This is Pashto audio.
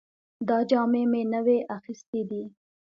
دا جامې مې نوې اخیستې دي